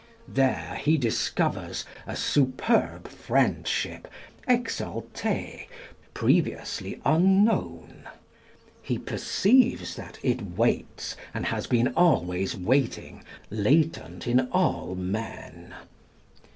There he discovers "a superb friendship, exalté, previously unknown." He perceives that "it waits, and has been always waiting, latent in all men."